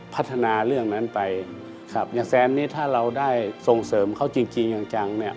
พัฒนาเรื่องนั้นไปครับอย่างแซมนี้ถ้าเราได้ส่งเสริมเขาจริงจริงอย่างจังเนี่ย